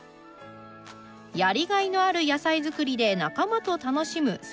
やりがいのある野菜作りで仲間と楽しむセカンドライフ。